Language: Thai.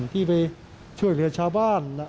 ที่ไปช่วยเหลือชาวบ้าน